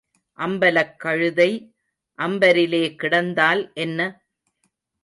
அம்பலக் கழுதை அம்பரிலே கிடந்தால் என்ன?